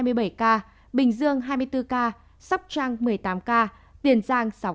hà giang hai mươi bốn ca sóc trang một mươi tám ca tiền giang sáu ca